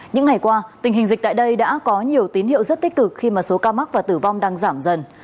những ngày qua tình hình dịch tại đây đã có nhiều tín hiệu rất tích cực khi mà số ca mắc và tử vong đang giảm dần